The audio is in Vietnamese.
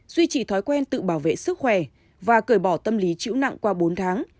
duy trì thói quen tự bảo vệ sức khỏe và cởi bỏ tâm lý chữ nặng qua bốn tháng